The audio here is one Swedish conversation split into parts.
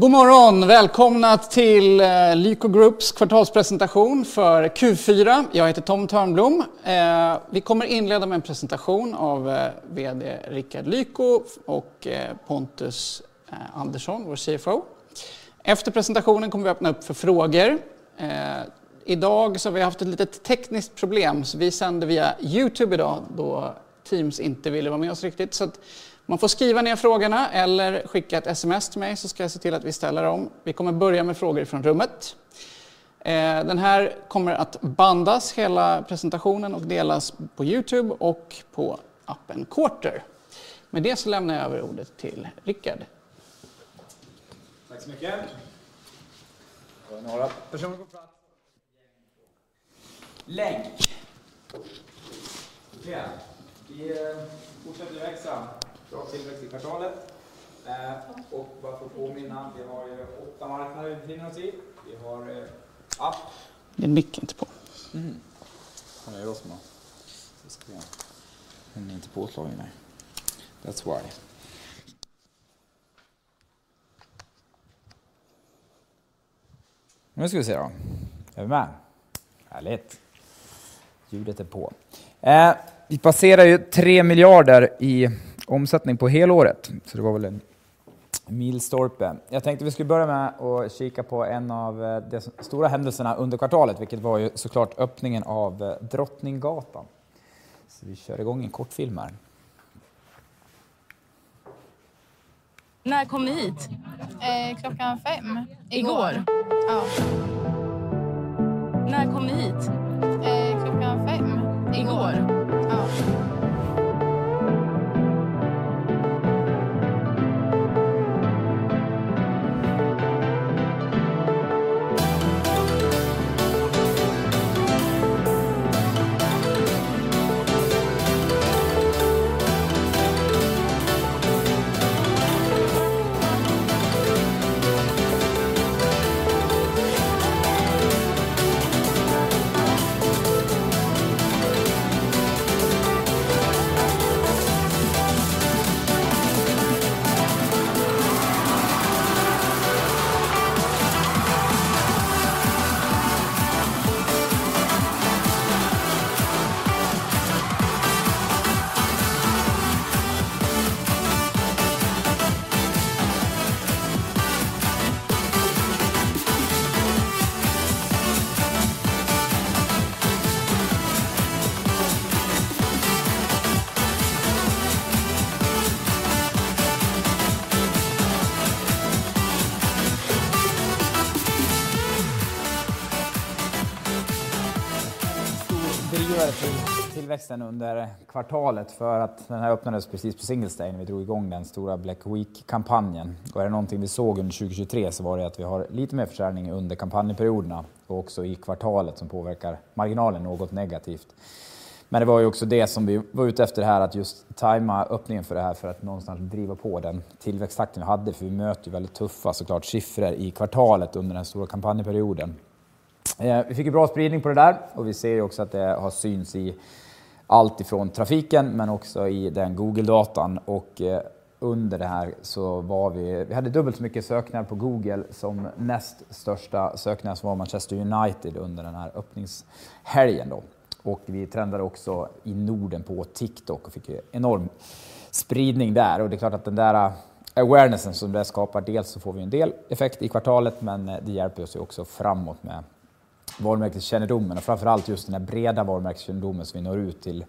God morgon, välkomna till Lyko Groups kvartalspresentation för Q4. Jag heter Tom Thörnblom. Vi kommer inleda med en presentation av VD Rickard Lyko och Pontus Andersson, vår CFO. Efter presentationen kommer vi öppna upp för frågor. I dag har vi haft ett litet tekniskt problem, så vi sände via YouTube i dag då Teams inte ville vara med oss riktigt. Så man får skriva ner frågorna eller skicka ett SMS till mig så ska jag se till att vi ställer dem. Vi kommer börja med frågor från rummet. Den här kommer att bandas hela presentationen och delas på YouTube och på appen Quarter. Med det så lämnar jag över ordet till Rickard. Tack så mycket. Har vi några personer på plats? Länk. Vi fortsätter i växeln. Bra tillväxt i kvartalet. Bara för att påminna, vi har ju åtta marknader vi befinner oss i. Vi har app. Det är en mikrofon inte på. Har jag ju då som har...? Ska vi se. Den är inte påslagen, nej. That's why. Nu ska vi se då. Är vi med? Härligt. Ljudet är på. Vi passerar ju 3 miljarder i omsättning på helåret, så det var väl en milstolpe. Jag tänkte att vi skulle börja med att kika på en av de stora händelserna under kvartalet, vilket var ju såklart öppningen av Drottninggatan. Så vi kör igång en kortfilm här. När kom ni hit? Klockan fem. I går? Ja. När kom ni hit? Klockan fem. I går? Ja. Stor drivkraft till tillväxten under kvartalet för att den här öppnades precis på Singles Day när vi drog igång den stora Black Week-kampanjen. Är det någonting vi såg under 2023 så var det att vi har lite mer försäljning under kampanjperioderna och också i kvartalet som påverkar marginalen något negativt. Men det var ju också det som vi var ute efter här, att just tajma öppningen för det här för att någonstans driva på den tillväxttakten vi hade. Vi möter ju väldigt tuffa såklart siffror i kvartalet under den stora kampanjperioden. Vi fick ju bra spridning på det där och vi ser ju också att det syns i allt ifrån trafiken men också i den Google-datan. Under det här så var vi... Vi hade dubbelt så mycket sökningar på Google. Som näst största sökningar så var Manchester United under den här öppningshelgen då. Och vi trendade också i Norden på TikTok och fick ju enorm spridning där. Och det är klart att den där awarenessen som det skapar, dels så får vi ju en del effekt i kvartalet men det hjälper oss ju också framåt med varumärkeskännedomen och framför allt just den här breda varumärkeskännedomen som vi når ut till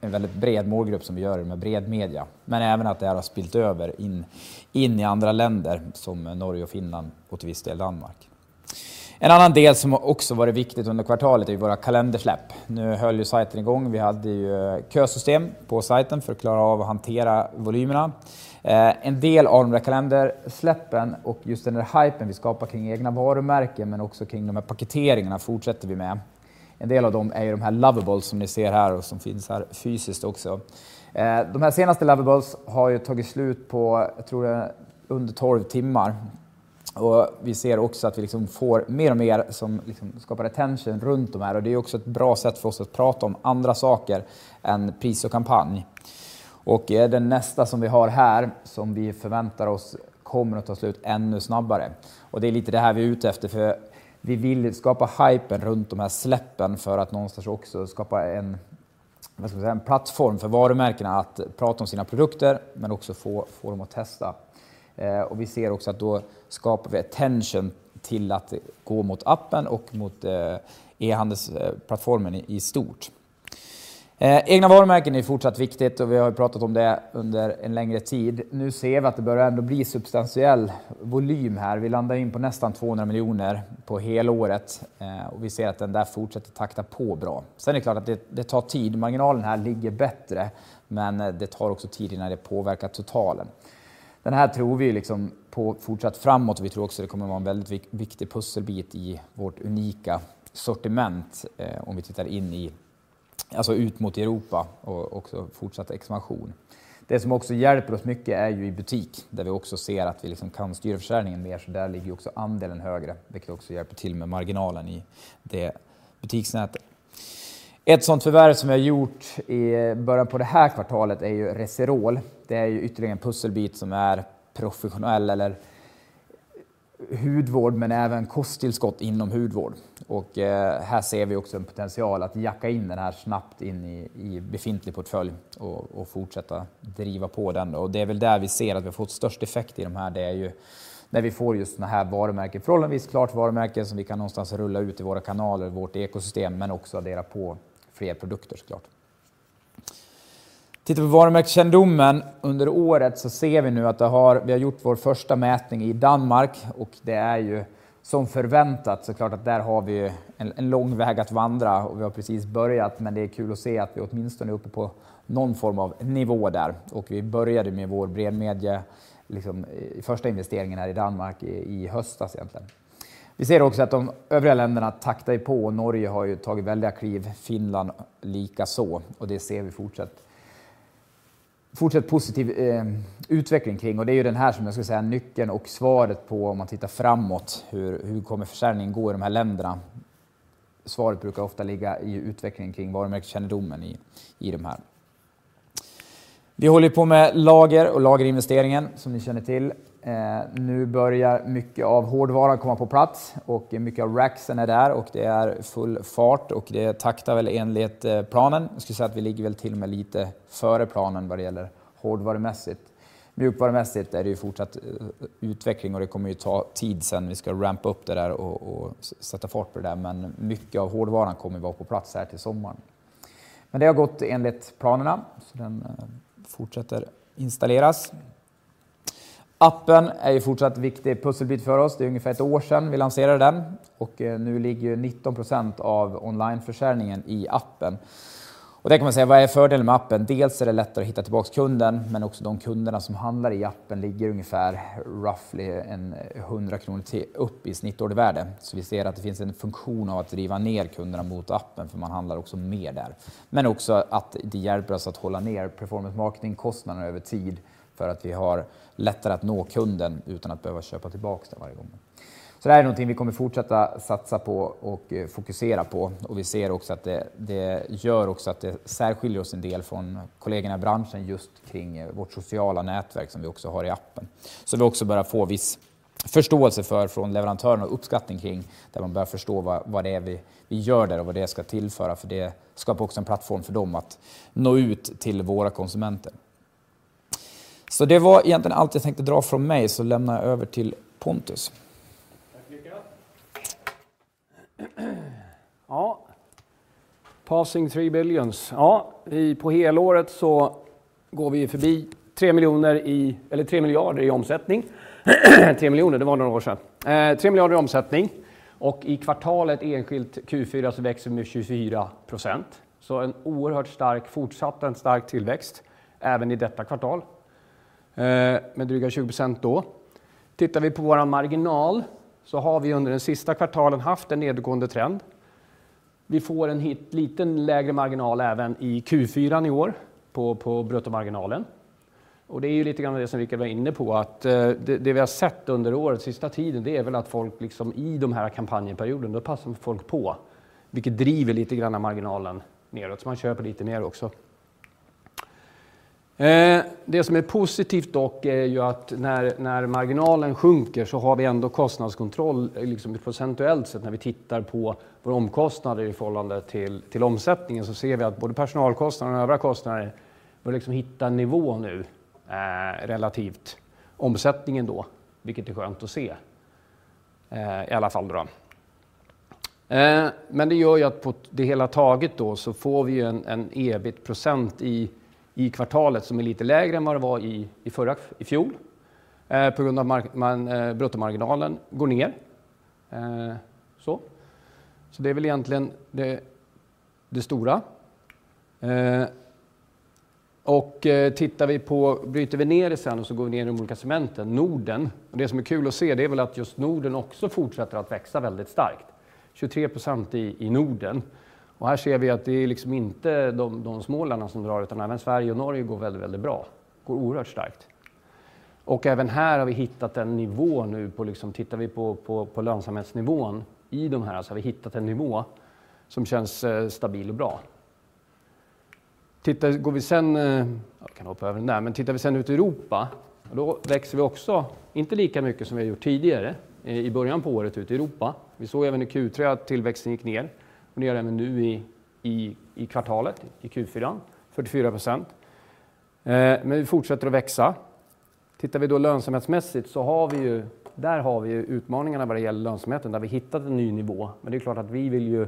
en väldigt bred målgrupp som vi gör det med bred media. Men även att det här har spillt över in i andra länder som Norge och Finland och till viss del Danmark. En annan del som också varit viktigt under kvartalet är ju våra kalendersläpp. Nu höll ju sajten igång. Vi hade ju kösystem på sajten för att klara av att hantera volymerna. En del av de där kalendersläppen och just den där hypen vi skapar kring egna varumärken men också kring de här paketeringarna fortsätter vi med. En del av dem är ju de här Lovables som ni ser här och som finns här fysiskt också. De här senaste Lovables har ju tagit slut på, jag tror det är under tolv timmar. Vi ser också att vi får mer och mer som skapar attention runt de här. Det är ju också ett bra sätt för oss att prata om andra saker än pris och kampanj. Den nästa som vi har här, som vi förväntar oss, kommer att ta slut ännu snabbare. Det är lite det här vi är ute efter, för vi vill skapa hypen runt de här släppen för att någonstans också skapa en plattform för varumärkena att prata om sina produkter men också få dem att testa. Vi ser också att då skapar vi attention till att gå mot appen och mot e-handelsplattformen i stort. Egna varumärken är ju fortsatt viktigt och vi har ju pratat om det under en längre tid. Nu ser vi att det börjar ändå bli substantiell volym här. Vi landar ju in på nästan 200 miljoner på helåret och vi ser att den där fortsätter takta på bra. Sen är det klart att det tar tid. Marginalen här ligger bättre men det tar också tid innan det påverkar totalen. Den här tror vi ju på fortsatt framåt och vi tror också att det kommer att vara en väldigt viktig pusselbit i vårt unika sortiment om vi tittar in i... Alltså ut mot Europa och också fortsatt expansion. Det som också hjälper oss mycket är ju i butik där vi också ser att vi kan styra försäljningen mer. Så där ligger ju också andelen högre, vilket också hjälper till med marginalen i det butiksnätet. Ett sånt förvärv som vi har gjort i början på det här kvartalet är ju Reserol. Det är ju ytterligare en pusselbit som är professionell hudvård men även kosttillskott inom hudvård. Här ser vi också en potential att jacka in den här snabbt in i befintlig portfölj och fortsätta driva på den. Det är väl där vi ser att vi har fått störst effekt i de här. Det är ju när vi får just såna här varumärken, förhållandevis klart varumärken som vi kan någonstans rulla ut i våra kanaler, vårt ekosystem men också addera på fler produkter såklart. Tittar vi på varumärkeskännedomen under året så ser vi nu att det har... Vi har gjort vår första mätning i Danmark och det är ju som förväntat såklart att där har vi ju en lång väg att vandra och vi har precis börjat. Men det är kul att se att vi åtminstone är uppe på någon form av nivå där. Vi började ju med vår bredmedie i första investeringen här i Danmark i höstas egentligen. Vi ser också att de övriga länderna taktar på. Norge har ju tagit väldiga kliv. Finland likaså. Det ser vi fortsatt positiv utveckling kring. Det är ju den här som jag skulle säga är nyckeln och svaret på om man tittar framåt. Hur kommer försäljningen gå i de här länderna? Svaret brukar ofta ligga i utvecklingen kring varumärkeskännedomen i de här. Vi håller på med lager och lagerinvesteringen som ni känner till. Nu börjar mycket av hårdvaran komma på plats och mycket av racksen är där och det är full fart och det taktar enligt planen. Jag skulle säga att vi ligger väl till och med lite före planen vad det gäller hårdvarumässigt. Mjukvarumässigt är det ju fortsatt utveckling och det kommer ju ta tid sen vi ska rampa upp det där och sätta fart på det där. Men mycket av hårdvaran kommer ju vara på plats här till sommaren. Men det har gått enligt planerna, så den fortsätter installeras. Appen är ju fortsatt en viktig pusselbit för oss. Det är ungefär ett år sen vi lanserade den och nu ligger ju 19% av onlineförsäljningen i appen. Och det kan man säga, vad är fördelen med appen? Dels är det lättare att hitta tillbaka kunden men också de kunderna som handlar i appen ligger ungefär 100 kronor upp i snittårsvärde. Så vi ser att det finns en funktion av att driva ner kunderna mot appen för man handlar också mer där. Men också att det hjälper oss att hålla ner performance marketing-kostnaderna över tid för att vi har lättare att nå kunden utan att behöva köpa tillbaka det varje gång. Det här är någonting vi kommer fortsätta satsa på och fokusera på. Vi ser också att det gör att det särskiljer oss en del från kollegorna i branschen just kring vårt sociala nätverk som vi också har i appen. Vi börjar också få viss förståelse för från leverantörerna och uppskattning kring där man börjar förstå vad det är vi gör där och vad det ska tillföra. Det skapar också en plattform för dem att nå ut till våra konsumenter. Det var egentligen allt jag tänkte dra från mig, lämnar jag över till Pontus. Tack, Rickard. Ja. Passing three billions. Ja, vi på helåret går vi ju förbi tre miljarder i... Eller tre miljarder i omsättning. Tre miljoner. Det var några år sedan. Tre miljarder i omsättning och i kvartalet enskilt Q4 så växer vi med 24%. Så en oerhört stark, fortsatt en stark tillväxt även i detta kvartal med dryga 20%. Tittar vi på vår marginal så har vi under den sista kvartalen haft en nedgående trend. Vi får en liten lägre marginal även i Q4 i år på bruttomarginalen. Det är ju lite grann det som Rickard var inne på, att det vi har sett under året, sista tiden, det är väl att folk i de här kampanjperioderna, då passar folk på, vilket driver lite grann marginalen neråt. Så man köper lite ner också. Det som är positivt dock är ju att när marginalen sjunker så har vi ändå kostnadskontroll på procentuellt sätt. När vi tittar på vår omkostnad i förhållande till omsättningen så ser vi att både personalkostnader och övriga kostnader börjar hitta en nivå nu relativt omsättningen då, vilket är skönt att se. Men det gör ju att på det hela taget då så får vi ju en EBIT-procent i kvartalet som är lite lägre än vad det var förra året på grund av att bruttomarginalen går ner. Det är väl egentligen det stora. Tittar vi på och bryter vi ner det sen och så går vi ner i de olika segmenten. Norden. Det som är kul att se, det är väl att just Norden också fortsätter att växa väldigt starkt. 23% i Norden. Här ser vi att det är inte de små länderna som drar utan även Sverige och Norge går väldigt, väldigt bra. Går oerhört starkt. Och även här har vi hittat en nivå nu på... Tittar vi på lönsamhetsnivån i de här så har vi hittat en nivå som känns stabil och bra. Tittar vi... Går vi sen... Jag kan hoppa över den där. Men tittar vi sen ut i Europa då växer vi också inte lika mycket som vi har gjort tidigare i början på året ute i Europa. Vi såg även i Q3 att tillväxten gick ner och ner även nu i kvartalet, i Q4. 44%. Men vi fortsätter att växa. Tittar vi då lönsamhetsmässigt så har vi ju... Där har vi ju utmaningarna vad det gäller lönsamheten där vi hittat en ny nivå. Men det är klart att vi vill ju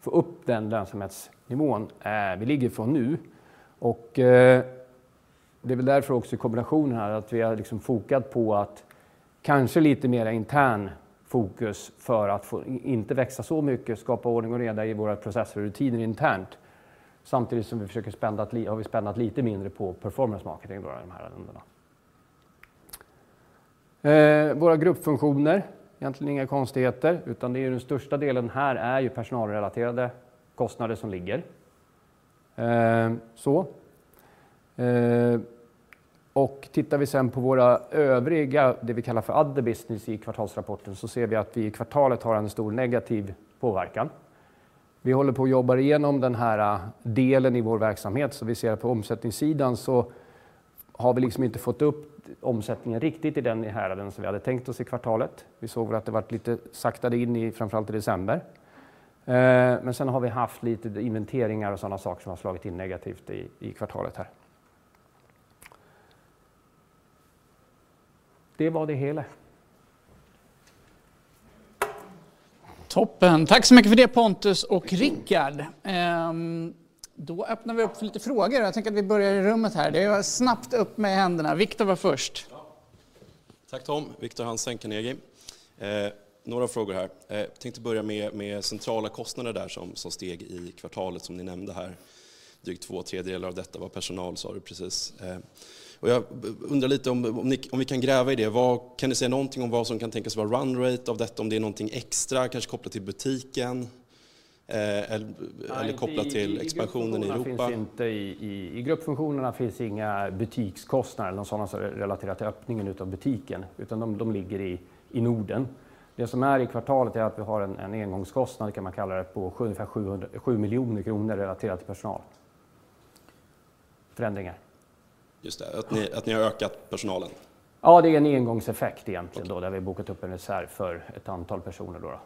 få upp den lönsamhetsnivån vi ligger ifrån nu. Och det är väl därför också i kombinationen här att vi har fokuserat på att kanske lite mera intern fokus för att inte växa så mycket, skapa ordning och reda i våra processer och rutiner internt. Samtidigt som vi försöker spända... Har vi spännt lite mindre på performance marketing i de här länderna. Våra gruppfunktioner. Egentligen inga konstigheter utan det är ju den största delen här är ju personalrelaterade kostnader som ligger. Och tittar vi sen på våra övriga, det vi kallar för other business i kvartalsrapporten så ser vi att vi i kvartalet har en stor negativ påverkan. Vi håller på att jobba igenom den här delen i vår verksamhet. Vi ser att på omsättningssidan så har vi inte fått upp omsättningen riktigt i den här takt som vi hade tänkt oss i kvartalet. Vi såg väl att det varit lite saktat in i framför allt i december. Men sen har vi haft lite inventeringar och sådana saker som har slagit in negativt i kvartalet här. Det var det hela. Toppen. Tack så mycket för det, Pontus och Rickard. Då öppnar vi upp för lite frågor. Jag tänker att vi börjar i rummet här. Det är snabbt upp med händerna. Viktor var först. Ja. Tack, Tom. Viktor Hansen Carnegie. Några frågor här. Jag tänkte börja med centrala kostnader där som steg i kvartalet som ni nämnde här. Drygt två tredjedelar av detta var personal, sa du precis. Jag undrar lite om ni kan gräva i det. Vad kan ni säga någonting om vad som kan tänkas vara run rate av detta? Om det är någonting extra, kanske kopplat till butiken eller kopplat till expansionen i Europa? Det finns inte i gruppfunktionerna finns inga butikskostnader eller något sådant relaterat till öppningen av butiken utan de ligger i Norden. Det som är i kvartalet är att vi har en engångskostnad, kan man kalla det, på ungefär 7 miljoner kronor relaterat till personalförändringar. Just det. Att ni har ökat personalen. Ja, det är en engångseffekt egentligen då där vi har bokat upp en reserv för ett antal personer då.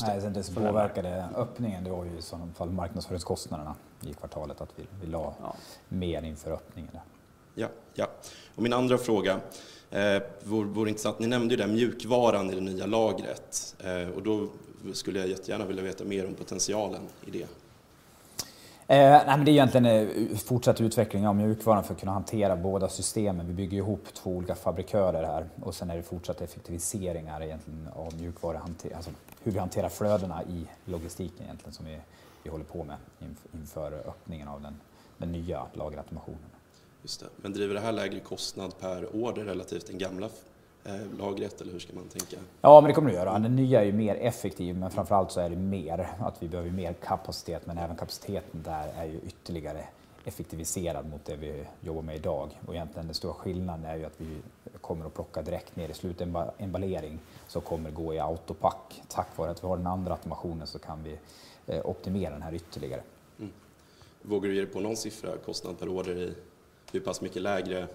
Nej, sen dess påverkade öppningen, det var ju i sådana fall marknadsföringskostnaderna i kvartalet att vi la mer inför öppningen där. Ja, ja. Och min andra fråga vore intressant. Ni nämnde ju mjukvaran i det nya lagret och då skulle jag jättegärna vilja veta mer om potentialen i det. Nej, men det är egentligen fortsatt utveckling av mjukvaran för att kunna hantera båda systemen. Vi bygger ihop två olika fabrikstillverkare här och sen är det fortsatta effektiviseringar egentligen av mjukvara. Alltså hur vi hanterar flödena i logistiken egentligen som vi håller på med inför öppningen av den nya lagerautomationen. Just det. Men driver det här lägre kostnad per order relativt det gamla lagret eller hur ska man tänka? Ja, men det kommer det göra. Den nya är ju mer effektiv men framför allt så är det mer att vi behöver ju mer kapacitet men även kapaciteten där är ju ytterligare effektiviserad mot det vi jobbar med idag. Egentligen den stora skillnaden är ju att vi kommer att plocka direkt ner i slutet av en emballering som kommer gå i autopack. Tack vare att vi har den andra automationen så kan vi optimera den här ytterligare. Vågar du ge dig på någon siffra? Kostnad per order i hur pass mycket lägre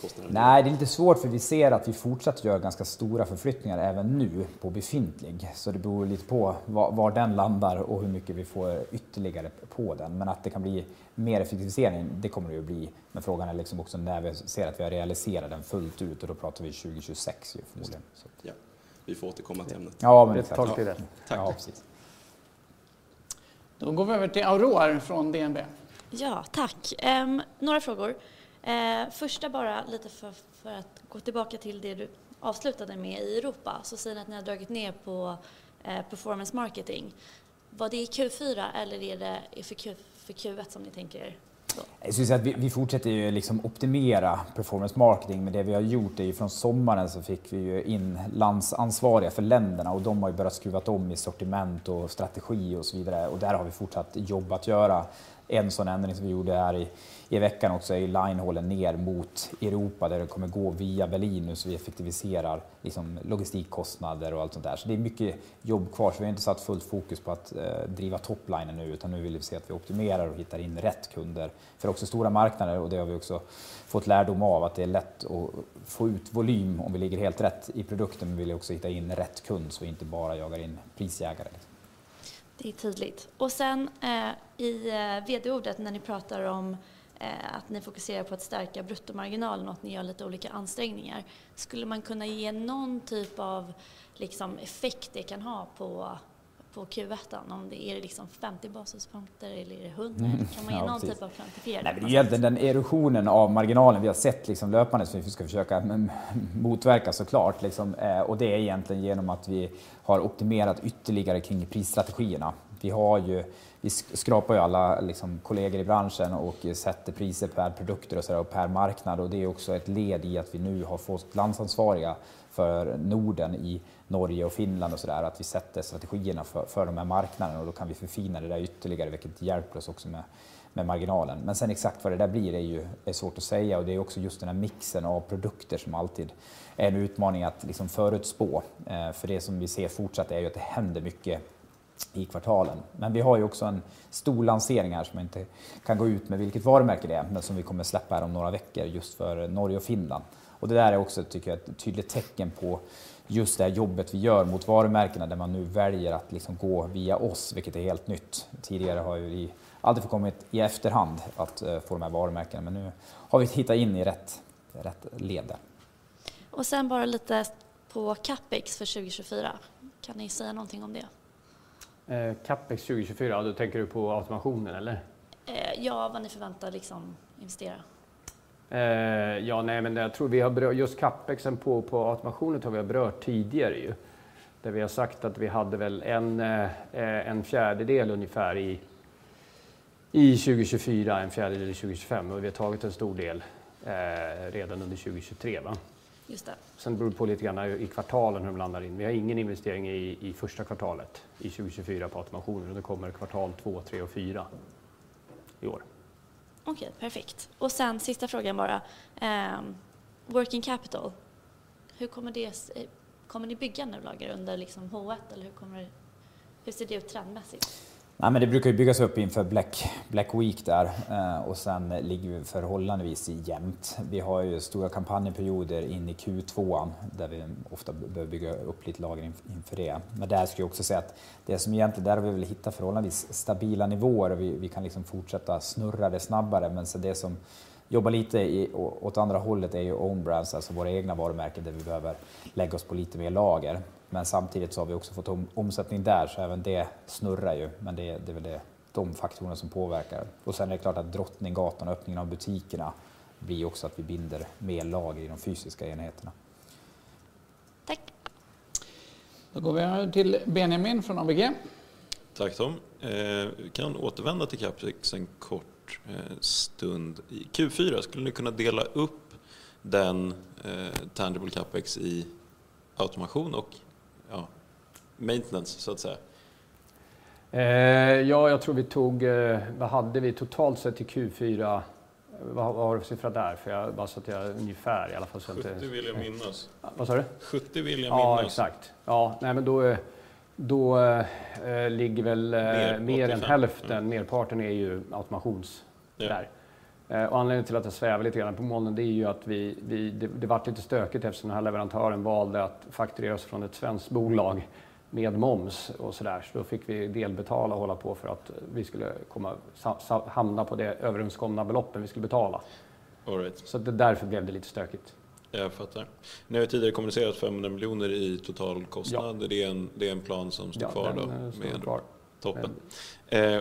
kostnader? Nej, det är lite svårt för vi ser att vi fortsatt gör ganska stora förflyttningar även nu på befintlig. Så det beror lite på var den landar och hur mycket vi får ytterligare på den. Men att det kan bli mer effektivisering, det kommer det ju bli. Men frågan är också när vi ser att vi har realiserat den fullt ut och då pratar vi 2026 just nu. Ja. Vi får återkomma till ämnet. Ja, men ett tag till det. Tack. Då går vi över till Aurore från DNB. Ja, tack. Några frågor. Första bara lite för att gå tillbaka till det du avslutade med i Europa. Så säger ni att ni har dragit ner på performance marketing. Var det i Q4 eller är det för Q1 som ni tänker? Jag skulle säga att vi fortsätter ju att optimera performance marketing. Men det vi har gjort är ju från sommaren så fick vi ju in landsansvariga för länderna och de har ju börjat skruva om i sortiment och strategi och så vidare. Och där har vi fortsatt jobb att göra. En sådan ändring som vi gjorde här i veckan också är ju line hållen ner mot Europa där det kommer gå via Berlin nu så vi effektiviserar logistikkostnader och allt sånt där. Så det är mycket jobb kvar. Så vi har inte satt fullt fokus på att driva topline nu utan nu vill vi se att vi optimerar och hittar in rätt kunder. För det är också stora marknader och det har vi också fått lärdom av att det är lätt att få ut volym om vi ligger helt rätt i produkten. Men vi vill ju också hitta in rätt kund så vi inte bara jagar in prisjägare. Det är tydligt. Och sen i VD-ordet när ni pratar om att ni fokuserar på att stärka bruttomarginalen och att ni gör lite olika ansträngningar. Skulle man kunna ge någon typ av effekt det kan ha på Q1? Är det 50 basispoäng eller är det 100? Kan man ge någon typ av kvantifierad effekt? Egentligen den erosionen av marginalen vi har sett löpande som vi ska försöka motverka såklart. Det är egentligen genom att vi har optimerat ytterligare kring prisstrategierna. Vi skrapar alla kollegor i branschen och sätter priser per produkter och per marknad. Det är också ett led i att vi nu har fått landsansvariga för Norden i Norge och Finland. Vi sätter strategierna för de här marknaderna och då kan vi förfina det där ytterligare vilket hjälper oss också med marginalen. Men exakt vad det där blir är svårt att säga och det är också just den här mixen av produkter som alltid är en utmaning att förutspå. Det som vi ser fortsatt är att det händer mycket i kvartalen. Men vi har ju också en stor lansering här som jag inte kan gå ut med vilket varumärke det är men som vi kommer släppa här om några veckor just för Norge och Finland. Det där är också tycker jag ett tydligt tecken på just det här jobbet vi gör mot varumärkena där man nu väljer att gå via oss vilket är helt nytt. Tidigare har ju det alltid förkommit i efterhand att få de här varumärkena men nu har vi hittat in i rätt led där. Och sen bara lite på Capex för 2024. Kan ni säga någonting om det? Capex 2024? Då tänker du på automationen eller? Ja, vad ni förväntar att liksom investera. Ja, nej men jag tror vi har... Just Capexen på automationen tror jag vi har berört tidigare ju. Där vi har sagt att vi hade väl en fjärdedel ungefär i 2024, en fjärdedel i 2025 och vi har tagit en stor del redan under 2023. Just det. Sen beror det på lite grann i kvartalen hur de landar in. Vi har ingen investering i första kvartalet i 2024 på automationen och då kommer kvartal två, tre och fyra i år. Okej, perfekt. Och sen sista frågan bara. Working capital. Hur kommer det... Kommer ni bygga nya lager under H1 eller hur kommer det... Hur ser det ut trendmässigt? Nej men det brukar ju byggas upp inför Black Week där och sen ligger vi förhållandevis jämnt. Vi har ju stora kampanjperioder in i Q2 där vi ofta behöver bygga upp lite lager inför det. Men där skulle jag också säga att det som egentligen... Där har vi väl hittat förhållandevis stabila nivåer och vi kan fortsätta snurra det snabbare. Men sen det som jobbar lite åt andra hållet är ju own brands, alltså våra egna varumärken där vi behöver lägga oss på lite mer lager. Men samtidigt så har vi också fått om omsättning där så även det snurrar ju. Men det är väl det de faktorerna som påverkar. Och sen är det klart att Drottninggatan och öppningen av butikerna blir ju också att vi binder mer lager i de fysiska enheterna. Tack. Då går vi över till Benjamin från ABG. Tack, Tom. Vi kan återvända till Capex en kort stund. I Q4 skulle ni kunna dela upp den tangible Capex i automation och maintenance så att säga? Ja, jag tror vi tog... Vad hade vi totalt sett i Q4? Vad har du för siffra där? För jag bara så att jag ungefär, i alla fall så jag inte... 70 vill jag minnas. Vad sa du? 70 vill jag minnas. Ja, exakt. Ja, nej men då ligger väl mer än hälften. Merparten är ju automationer där. Anledningen till att jag svävar lite grann på molnen det är ju att vi... Det blev lite stökigt eftersom den här leverantören valde att faktureras från ett svenskt bolag med moms och så där. Så då fick vi delbetala och hålla på för att vi skulle komma hamna på det överenskomna beloppet vi skulle betala. Så därför blev det lite stökigt. Jag fattar. Ni har ju tidigare kommunicerat 500 miljoner i totalkostnad. Det är en plan som står kvar då med ändå. Toppen.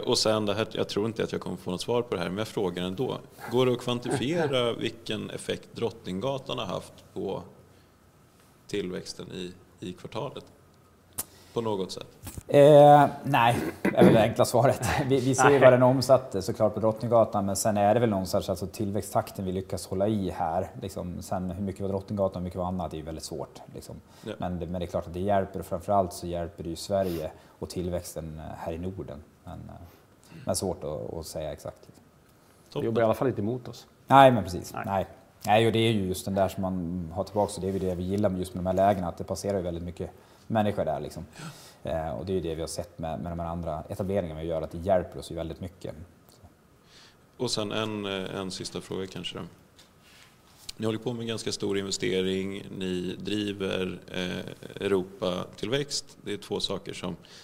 Och sen det här... Jag tror inte att jag kommer få något svar på det här men jag frågar ändå. Går det att kvantifiera vilken effekt Drottninggatan har haft på tillväxten i kvartalet? På något sätt? Nej, det är väl det enkla svaret. Vi ser ju vad den omsatte såklart på Drottninggatan men sen är det väl någonstans alltså tillväxttakten vi lyckas hålla i här. Sen hur mycket var Drottninggatan och hur mycket var annat är ju väldigt svårt. Men det är klart att det hjälper och framför allt så hjälper det ju Sverige och tillväxten här i Norden. Men svårt att säga exakt. De jobbar i alla fall inte emot oss. Nej, men precis. Nej. Nej, och det är ju just den där som man har tillbaka. Så det är ju det vi gillar med just med de här lägena. Att det passerar ju väldigt mycket människor där. Och det är ju det vi har sett med de här andra etableringarna gör att det hjälper oss ju väldigt mycket. Och sen en sista fråga kanske då. Ni håller ju på med en ganska stor investering. Ni driver Europatillväxt. Det är två saker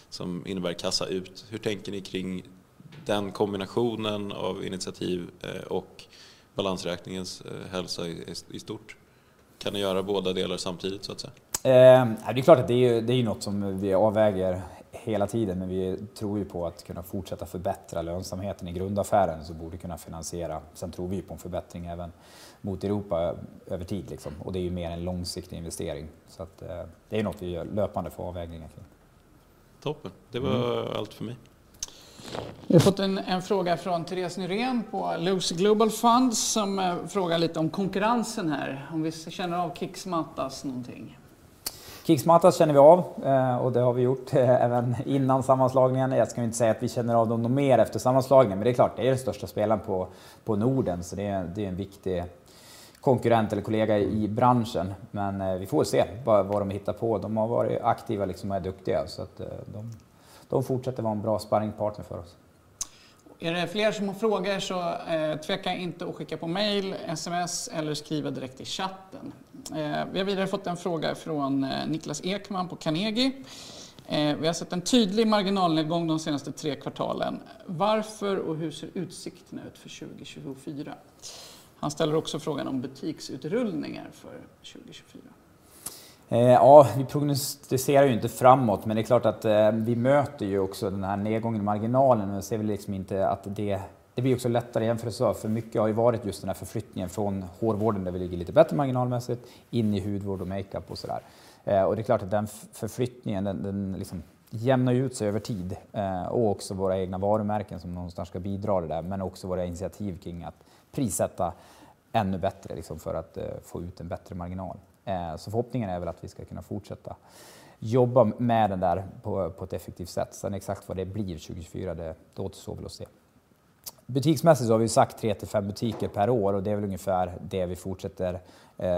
som innebär kassa ut. Hur tänker ni kring den kombinationen av initiativ och balansräkningens hälsa i stort? Kan ni göra båda delar samtidigt så att säga? Det är klart att det är ju något som vi avväger hela tiden, men vi tror ju på att kunna fortsätta förbättra lönsamheten i grundaffären så borde vi kunna finansiera. Sen tror vi ju på en förbättring även mot Europa över tid. Och det är ju mer en långsiktig investering. Så det är ju något vi gör löpande för avvägningar kring. Toppen. Det var allt för mig. Vi har fått en fråga från Therese Nyrén på Loose Global Funds som frågar lite om konkurrensen här. Om vi känner av Kicksmat något. Kicksmatas känner vi av och det har vi gjort även innan sammanslagningen. Jag ska inte säga att vi känner av dem något mer efter sammanslagningen men det är klart, det är ju den största spelaren på Norden så det är ju en viktig konkurrent eller kollega i branschen. Men vi får väl se vad de hittar på. De har varit aktiva och är duktiga så att de fortsätter vara en bra sparringpartner för oss. Är det fler som har frågor så tveka inte att skicka på mejl, SMS eller skriva direkt i chatten. Vi har vidare fått en fråga från Niklas Ekman på Carnegie. Vi har sett en tydlig marginalnedgång de senaste tre kvartalen. Varför och hur ser utsikterna ut för 2024? Han ställer också frågan om butiksutrullningar för 2024. Ja, vi prognostiserar ju inte framåt men det är klart att vi möter ju också den här nedgången i marginalen och jag ser väl inte att det... Det blir också lättare jämfört så. För mycket har ju varit just den här förflyttningen från hårvården där vi ligger lite bättre marginalmässigt in i hudvård och makeup och så där. Det är klart att den förflyttningen, den jämnar ju ut sig över tid. Också våra egna varumärken som någonstans ska bidra till det där men också våra initiativ kring att prissätta ännu bättre för att få ut en bättre marginal. Så förhoppningen är väl att vi ska kunna fortsätta jobba med den där på ett effektivt sätt. Sen exakt vad det blir 2024, då återstår väl att se. Butiksmässigt så har vi ju sagt tre till fem butiker per år och det är väl ungefär det vi fortsätter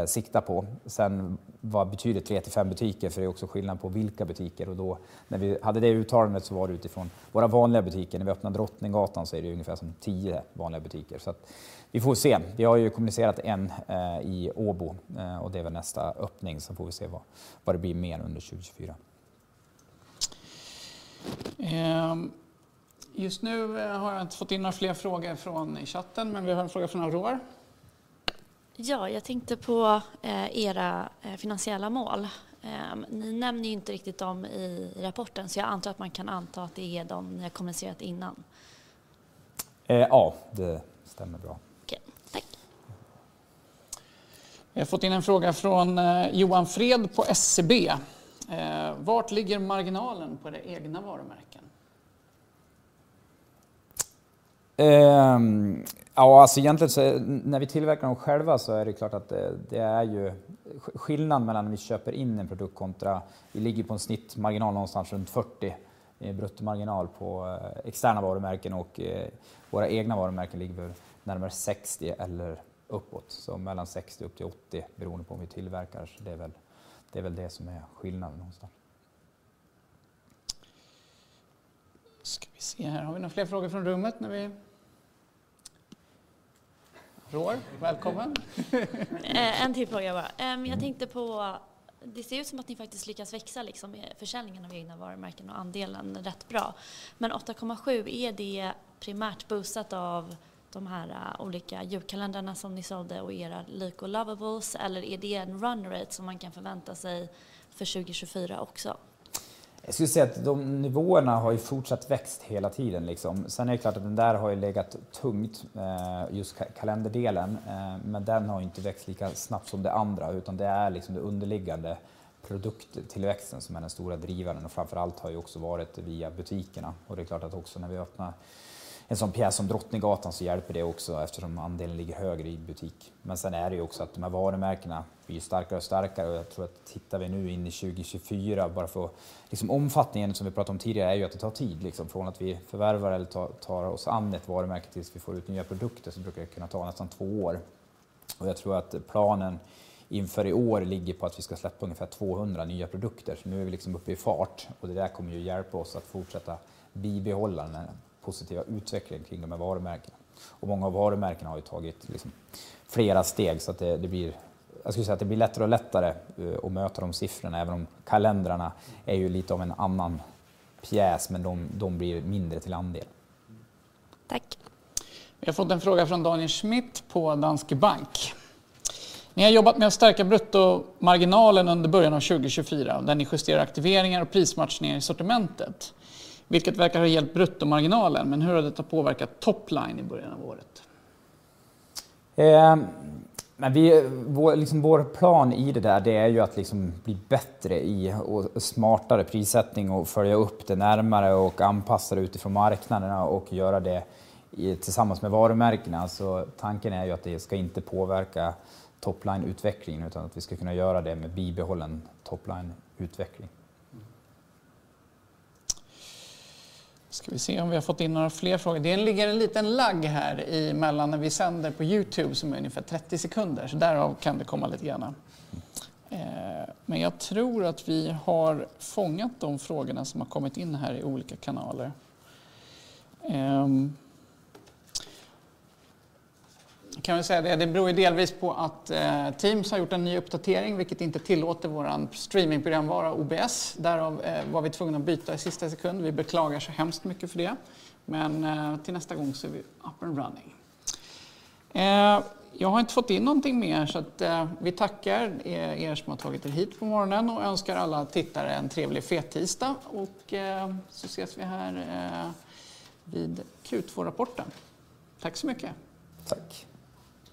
sikta på. Sen vad betyder tre till fem butiker? För det är också skillnad på vilka butiker och då när vi hade det uttalandet så var det utifrån våra vanliga butiker. När vi öppnar Drottninggatan så är det ju ungefär som tio vanliga butiker. Så vi får väl se. Vi har ju kommunicerat en i Åbo och det är väl nästa öppning så får vi se vad det blir mer under 2024. Just nu har jag inte fått in några fler frågor från chatten men vi har en fråga från Aurore. Ja, jag tänkte på era finansiella mål. Ni nämner ju inte riktigt dem i rapporten så jag antar att man kan anta att det är de ni har kommunicerat innan. Ja, det stämmer bra. Okej, tack. Vi har fått in en fråga från Johan Fred på SCB. Var ligger marginalen på era egna varumärken? Ja, alltså egentligen så när vi tillverkar dem själva så är det klart att det är ju skillnad mellan när vi köper in en produkt kontra... Vi ligger ju på en snittmarginal någonstans runt 40% i bruttomarginal på externa varumärken och våra egna varumärken ligger väl närmare 60% eller uppåt. Så mellan 60% upp till 80% beroende på om vi tillverkar. Så det är väl det som är skillnaden någonstans. Ska vi se här. Har vi några fler frågor från rummet när vi... Aurore, välkommen. En till fråga bara. Jag tänkte på... Det ser ju ut som att ni faktiskt lyckas växa med försäljningen av egna varumärken och andelen rätt bra. Men 8,7%, är det primärt boostat av de här olika julkalendrarna som ni sålde och era Lykolovables eller är det en runrate som man kan förvänta sig för 2024 också? Jag skulle säga att de nivåerna har ju fortsatt växt hela tiden. Sen är det klart att den där har ju legat tungt, just kalenderdelen. Men den har ju inte växt lika snabbt som det andra utan det är liksom den underliggande produkttillväxten som är den stora drivaren och framför allt har ju också varit via butikerna. Det är klart att också när vi öppnar en sån pjäs som Drottninggatan så hjälper det också eftersom andelen ligger högre i butik. Men sen är det ju också att de här varumärkena blir ju starkare och starkare och jag tror att tittar vi nu in i 2024 bara för att... Omfattningen som vi pratade om tidigare är ju att det tar tid från att vi förvärvar eller tar oss an ett varumärke tills vi får ut nya produkter så brukar det kunna ta nästan två år. Och jag tror att planen inför i år ligger på att vi ska släppa ungefär 200 nya produkter. Nu är vi uppe i fart och det där kommer ju hjälpa oss att fortsätta bibehålla den här positiva utvecklingen kring de här varumärkena. Många av varumärkena har ju tagit flera steg så att det blir... Jag skulle säga att det blir lättare och lättare att möta de siffrorna även om kalendrarna är ju lite av en annan pjäs men de blir mindre till andel. Tack. Vi har fått en fråga från Daniel Schmidt på Danske Bank. Ni har jobbat med att stärka bruttomarginalen under början av 2024 där ni justerar aktiveringar och prismatchningar i sortimentet vilket verkar ha hjälpt bruttomarginalen, men hur har det påverkat topline i början av året? Vår plan i det där är ju att bli bättre i och smartare prissättning och följa upp det närmare och anpassa det utifrån marknaderna och göra det tillsammans med varumärkena. Så tanken är ju att det ska inte påverka toplineutvecklingen utan att vi ska kunna göra det med bibehållen toplineutveckling. Ska vi se om vi har fått in några fler frågor. Det ligger en liten lagg här emellan när vi sänder på YouTube som är ungefär 30 sekunder så därav kan det komma lite grann. Men jag tror att vi har fångat de frågorna som har kommit in här i olika kanaler. Jag kan väl säga det att det beror ju delvis på att Teams har gjort en ny uppdatering vilket inte tillåter vår streamingprogramvara OBS. Därav var vi tvungna att byta i sista sekund. Vi beklagar så hemskt mycket för det men till nästa gång så är vi up and running. Jag har inte fått in någonting mer så att vi tackar som har tagit hit på morgonen och önskar alla tittare en trevlig fredag och så ses vi här vid Q2-rapporten. Tack så mycket. Tack.